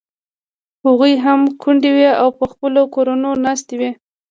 هغوی هم کونډې وې او په خپلو کورونو ناستې وې.